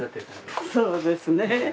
そうですね。